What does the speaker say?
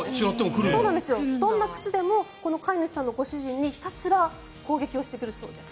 どんな靴でも飼い主さんのご主人にひたすら攻撃をしてくるそうです。